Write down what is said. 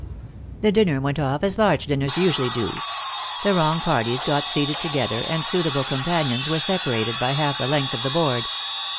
The dinner went off as large dinners usually do. The wrong parties got seated together, and suitable companions were separated by half the length of the board.